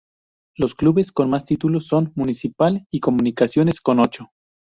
Los clubes con más títulos son Municipal y Comunicaciones con ocho.